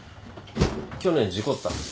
去年事故った。